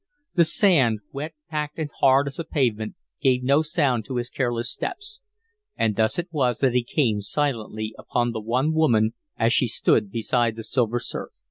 The sand, wet, packed, and hard as a pavement, gave no sound to his careless steps; and thus it was that he came silently upon the one woman as she stood beside the silver surf.